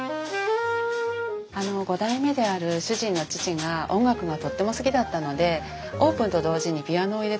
あの５代目である主人の父が音楽がとっても好きだったのでオープンと同時にピアノを入れたんですね。